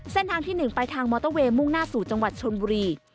เส้นทางที่๑ไปทางมอเตอร์เวย์มุ่งหน้าสู่จังหวัดชนบุรี